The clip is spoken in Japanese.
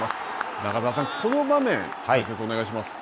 中澤さん、この場面、解説をお願いします。